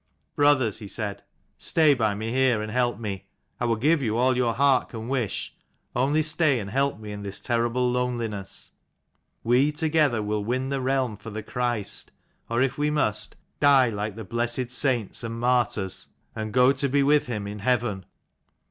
"Brothers," he said, "stay by me here, and help me. I will give you all your heart can wish, only stay and help me in this terrible loneliness. We together will win the realm for the Christ ; or, if we must, die like the 190 blessed saints and martyrs, and go to be with him in heaven."